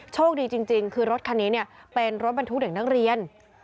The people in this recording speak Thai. โชคดีจริงคือรถคันนี้เป็นรถบรรทุกเด็กนักเรียน